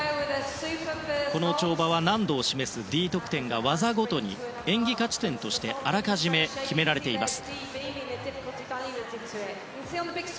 この跳馬は難度を示すＤ得点が技ごとに、演技価値点としてあらかじめ決められています。